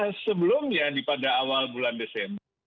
karena sebelumnya di pada awal bulan desember